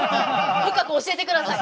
深く教えて下さい。